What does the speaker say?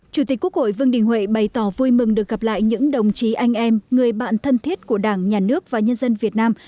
chủ tịch quốc hội vương đình huệ bày tỏ vui mừng được gặp lại những đồng chí anh em người bạn thân thiết của đảng nhà nước và nhân dân việt nam